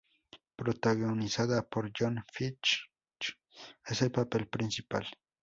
Protagonizada por Jon Finch en el papel principal.